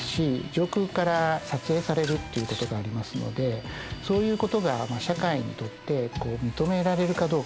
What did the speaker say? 上空から撮影されるということがありますのでそういうことが社会にとって認められるかどうか。